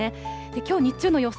きょう日中の予想